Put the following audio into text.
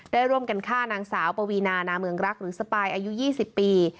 ได้ร่วมกันฆ่านางสาวปวีนานาเมืองรักหรือสปายอายุ๒๐ปี